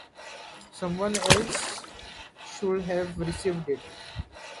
Someone else should have received it.